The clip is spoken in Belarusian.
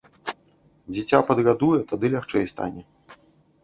Дзіця падгадуе, тады лягчэй стане.